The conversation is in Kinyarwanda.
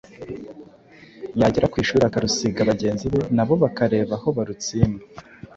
yagera ku ishuri akarusiga bagenzi be, na bo bakareba aho barutsimba.